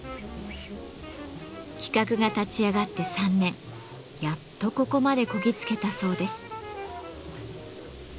企画が立ち上がって３年やっとここまでこぎ着けたそうです。